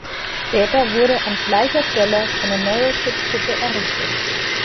Später wurde an gleicher Stelle eine neue Schutzhütte errichtet.